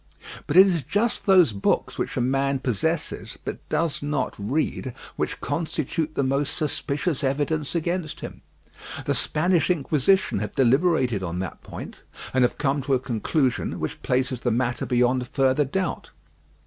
But it is just those books which a man possesses, but does not read, which constitute the most suspicious evidence against him. The Spanish Inquisition have deliberated on that point, and have come to a conclusion which places the matter beyond further doubt.